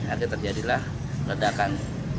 akhirnya terjadilah ledakan